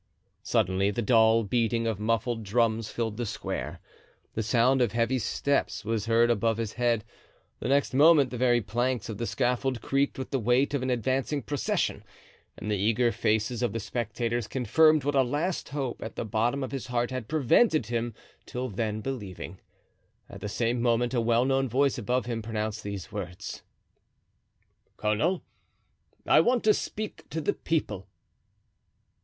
Suddenly the dull beating of muffled drums filled the square. The sound of heavy steps was heard above his head. The next moment the very planks of the scaffold creaked with the weight of an advancing procession, and the eager faces of the spectators confirmed what a last hope at the bottom of his heart had prevented him till then believing. At the same moment a well known voice above him pronounced these words: "Colonel, I want to speak to the people."